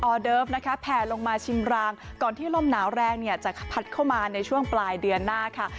อเดิฟนะคะแผ่ลงมาชิมรางก่อนที่ลมหนาวแรงเนี่ยจะพัดเข้ามาในช่วงปลายเดือนหน้าค่ะ